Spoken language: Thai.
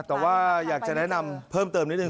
แต่ว่าอยากจะแนะนำเพิ่มเติมนิดนึ